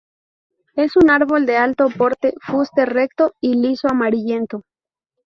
Es un árbol de alto porte, fuste recto y liso, amarillento.